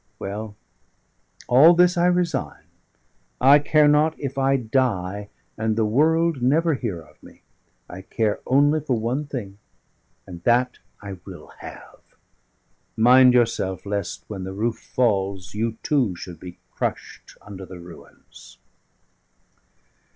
Well, all this I resign; I care not if I die, and the world never hear of me; I care only for one thing, and that I will have. Mind yourself; lest, when the roof falls, you, too, should be crushed under the ruins."